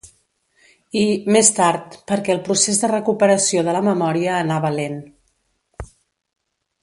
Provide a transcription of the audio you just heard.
I, més tard, perquè el procés de recuperació de la memòria anava lent.